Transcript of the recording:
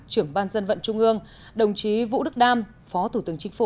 trưởng ban dân vận trung ương đồng chí vũ đức đam phó thủ tướng chính phủ